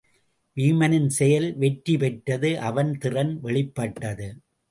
வீமனின் செயல் வெற்றி பெற்றது அவன் திறன் வெளிப்பட்டது.